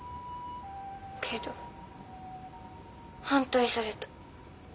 けど反対された。